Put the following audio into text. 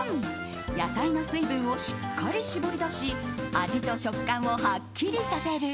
４野菜の水分をしっかり絞り出し味と食感をはっきりさせる。